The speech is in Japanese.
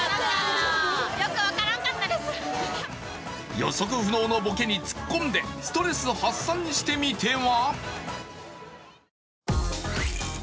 予測不能のボケに突っ込んでストレス発散してみては？